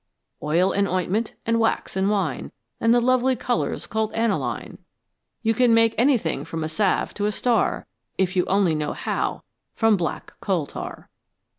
Oil and ointment, and wax and wine, And the lovely colours called aniline ; You can make anything from a salve to a star, If you only know how, from black coal tar."